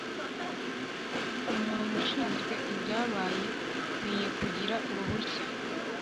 ku muntu ushinzwe ibyabaye. nkwiye kugira uruhushya